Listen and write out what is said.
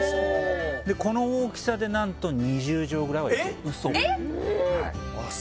でこの大きさで何と２０畳ぐらいはいけるえっ？